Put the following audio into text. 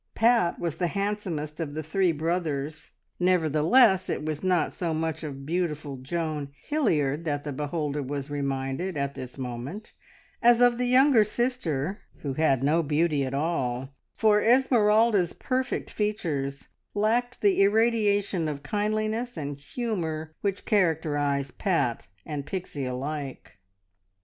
Pat was the handsomest of the three brothers, nevertheless it was not so much of beautiful Joan Hilliard that the beholder was reminded, at this moment, as of the younger sister, who had no beauty at all, for Esmeralda's perfect features lacked the irradiation of kindliness and humour which characterised Pat and Pixie alike.